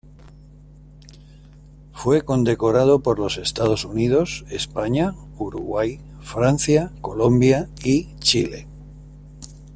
Fue condecorado por los Estados Unidos, España, Uruguay, Francia, Colombia y Chile.